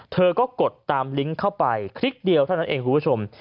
เธอก็กดตามลิงก์เข้าไปคลิกเดียวเท่านั้นเองคุณผู้ชม